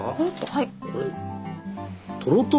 はい？